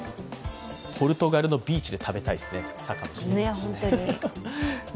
ポルトガルのビーチで食べたいですね。